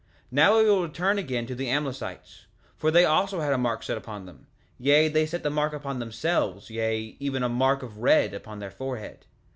3:13 Now we will return again to the Amlicites, for they also had a mark set upon them; yea, they set the mark upon themselves, yea, even a mark of red upon their foreheads.